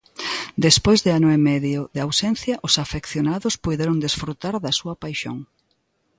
Despois de ano e media de ausencia, os afeccionados puideron desfrutar da súa paixón.